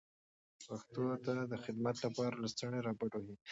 پښتو ته د خدمت لپاره لستوڼي را بډ وهئ.